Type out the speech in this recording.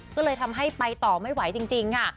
ก็เลยทำให้ไปต่อไม่ไหวจริงค่ะ